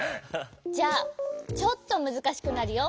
じゃあちょっとむずかしくなるよ。